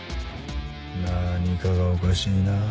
何かがおかしいな。